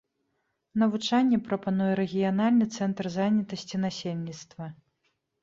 Навучанне прапануе рэгіянальны цэнтр занятасці насельніцтва.